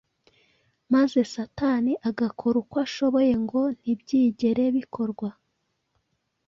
maze Satani agakora uko ashoboye ngo ntibyigere bikorwa.